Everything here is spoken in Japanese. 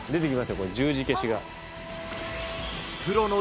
これ十字消しが。